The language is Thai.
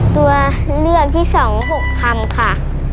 ตัวเลือกที่๒๖คำค่ะ